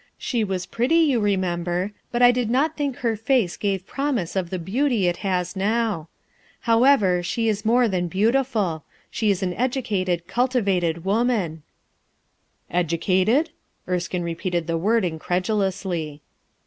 She was pretty, you remember, but I did not think her face gave promise of the beauty it has now. How* ever, she is more than beautiful. She is an educated cultivated woman,' 3 "Educated?*' Erskine repeated the word incredulously.